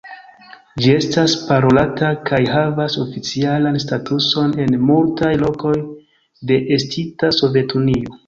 Ĝi estas parolata kaj havas oficialan statuson en multaj lokoj de estinta Sovetunio.